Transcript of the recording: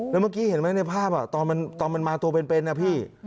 แล้วเมื่อกี้เห็นไหมในภาพตอนมันมาตัวเป็นนะพี่